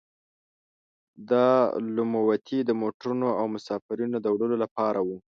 دا لوموتي د موټرونو او مسافرینو د وړلو لپاره وو.